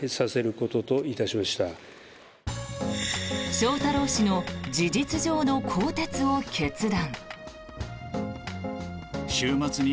翔太郎氏の事実上の更迭を決断。